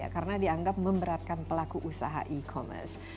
karena dianggap memberatkan pelaku usaha e commerce